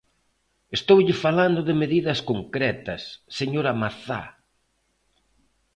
Estoulle falando de medidas concretas, señora Mazá.